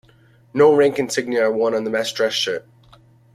No rank insignia are worn on the mess dress shirt.